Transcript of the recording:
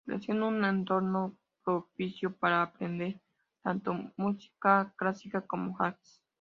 Creció en un entorno propicio para aprender tanto música clásica como jazz.